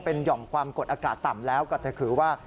เป็นห่อมความกดอากาศต่ำแล้วก็จะถือว่า